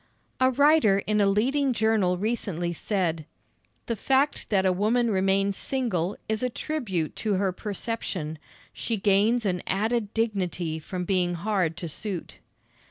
A writer in a leading journal recently said: "The fact that a woman remains single is a tribute to her perception. She gains an added dignity from being hard to suit."